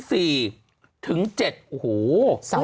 โอ้โฮสามอาทิตย์มันก็ต้องไปหยุดอยู่แล้ว